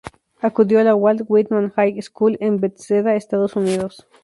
Acudió a la Walt Whitman High School en Bethesda, Estados Unidos.